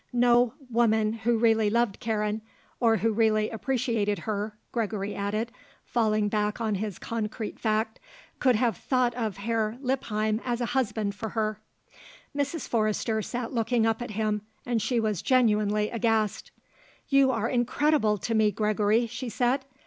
No woman who really loved Karen, or who really appreciated her," Gregory added, falling back on his concrete fact, "could have thought of Herr Lippheim as a husband for her." Mrs. Forrester sat looking up at him, and she was genuinely aghast. "You are incredible to me, Gregory," she said.